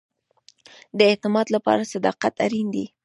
د اعتماد لپاره صداقت اړین دی